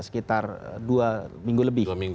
sekitar dua minggu lebih